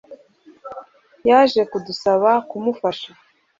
Yaje kudusaba kumufasha